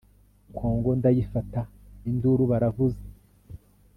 Kongo ndayifata induru baravuza